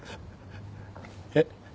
えっ？